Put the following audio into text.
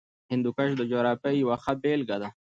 هندوکش د جغرافیې یوه ښه بېلګه ده.